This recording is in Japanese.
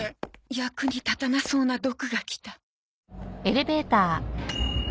役に立たなそうなドクが来た。